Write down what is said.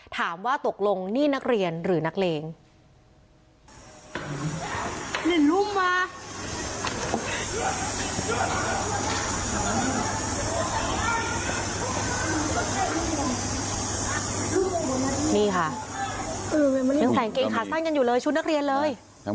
ถามว่าตกลงนี่นักเรียนหรือนักเลง